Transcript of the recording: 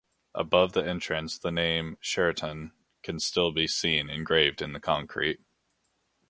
Above the entrance the name "Sheraton" can still be seen engraved in the concrete.